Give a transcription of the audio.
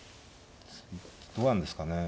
どうやるんですかね。